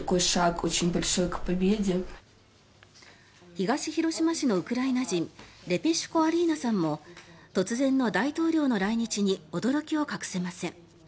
東広島市のウクライナ人レペシュコ・アリーナさんも突然の大統領の来日に驚きを隠せません。